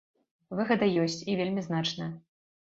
Выгада ёсць, і вельмі значная.